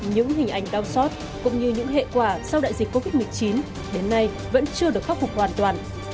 những hình ảnh đau xót cũng như những hệ quả sau đại dịch covid một mươi chín đến nay vẫn chưa được khắc phục hoàn toàn